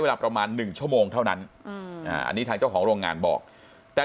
เวลาประมาณ๑ชั่วโมงเท่านั้นอันนี้ทางเจ้าของโรงงานบอกแต่